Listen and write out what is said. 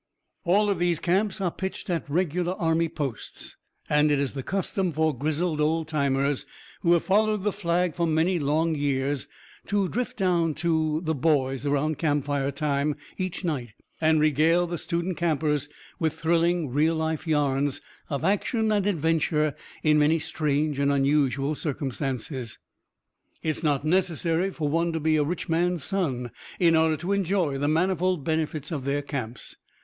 All of these Camps are pitched at Regular Army posts, and it is the custom for grizzled old timers who have followed the Flag for many long years to drift down to "the boys" around campfire time each night and regale the student campers with thrilling, real life yarns of action and adventure in many strange and unusual circumstances. It is not necessary for one to be a rich man's son in order to enjoy the manifold benefits of their Camps.